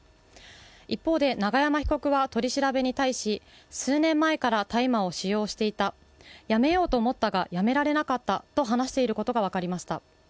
一方で、永山被告は取り調べに対し数年前から大麻を使用していた、やめようと思ったがやめられなかったと話していることが分かりました。